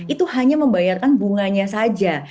itu hanya membayarkan bunganya saja